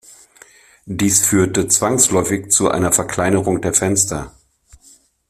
Dies führte zwangsläufig zu einer Verkleinerung der Fenster.